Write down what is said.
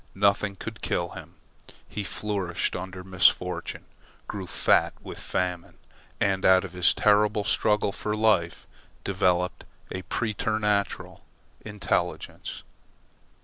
Nothing could kill him. He flourished under misfortune, grew fat with famine, and out of his terrible struggle for life developed a preternatural intelligence.